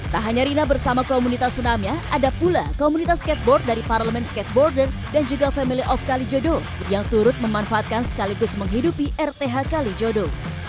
tak hanya rina bersama komunitas senamnya ada pula komunitas skateboard dari parlemen skateboarder dan juga family of kalijodo yang turut memanfaatkan sekaligus menghidupi rth kalijodo